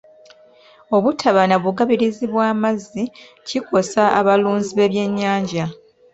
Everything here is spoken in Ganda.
Obutaba na bugabirizi bw'amazzi kikosa abalunzi b'ebyennyanja.